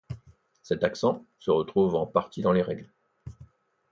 Cet accent se retrouve en partie dans les règles.